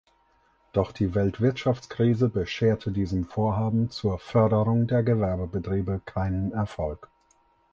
Doch die Weltwirtschaftskrise bescherte diesem Vorhaben zur Förderung der Gewerbebetriebe keinen Erfolg.